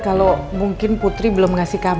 kalo mungkin putri belum ngasih tau